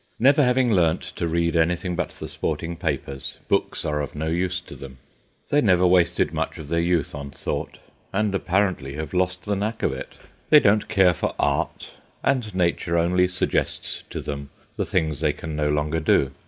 Never having learnt to read anything but the sporting papers, books are of no use to them. They never wasted much of their youth on thought, and, apparently, have lost the knack of it. They don't care for art, and Nature only suggests to them the things they can no longer do.